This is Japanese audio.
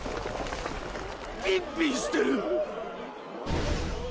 ピンピンしてる！